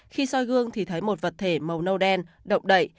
khi soi gương thì thấy một vật thể màu nâu đen động đậy